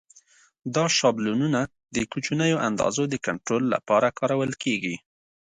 دا شابلونونه د کوچنیو اندازو د کنټرول لپاره کارول کېږي.